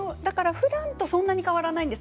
ふだんとは変わらないんです。